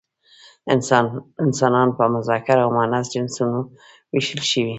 انسانان په مذکر او مؤنث جنسونو ویشل شوي.